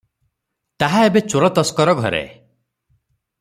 ତାହା ଏବେ ଚୋର ତସ୍କର ଘରେ ।